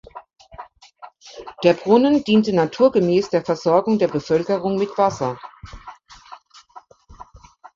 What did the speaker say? Der Brunnen diente naturgemäß der Versorgung der Bevölkerung mit Wasser.